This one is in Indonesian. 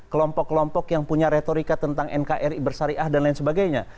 kelompok kelompok yang punya retorika tentang nkri bersyariah dan lain sebagainya